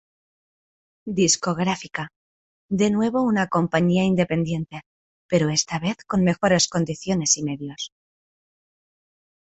Discográfica, de nuevo una compañía independiente, pero esta vez con mejores condiciones y medios.